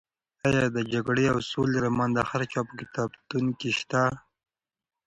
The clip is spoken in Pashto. ایا د جګړې او سولې رومان د هر چا په کتابتون کې شته؟